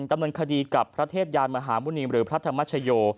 ดำเนินคดีกับพระเทพยานมหาหมุณีมหรือพระธรรมชโย